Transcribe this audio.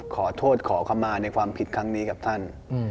ขอโทษขอคำมาในความผิดครั้งนี้กับท่าน